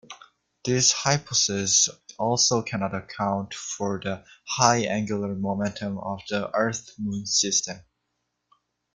These hypotheses also cannot account for the high angular momentum of the Earth-Moon system.